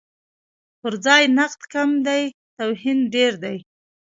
پرځای نقد کم دی، توهین ډېر دی.